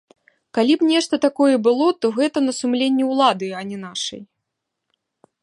Калі б нешта такое і было, то гэта на сумленні ўлады, а не нашай.